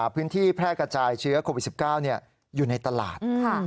พื้นที่แพร่กระจายเชื้อโควิด๑๙อยู่ในตลาด